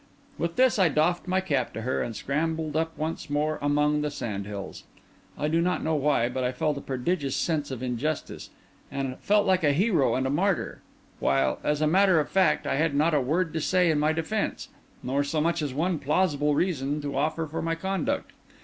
With this I doffed my cap to her, and scrambled up once more among the sand hills. I do not know why, but I felt a prodigious sense of injustice, and felt like a hero and a martyr; while, as a matter of fact, I had not a word to say in my defence, nor so much as one plausible reason to offer for my conduct.